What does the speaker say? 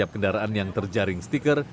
kendaraan yang terjaring stiker